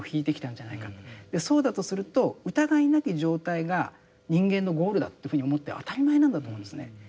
そうだとすると疑いなき状態が人間のゴールだというふうに思って当たり前なんだと思うんですね。